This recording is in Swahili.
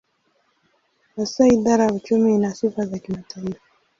Hasa idara ya uchumi ina sifa za kimataifa.